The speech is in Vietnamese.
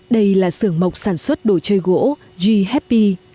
đây là sưởng mộc sản xuất đồ chơi gỗ g happy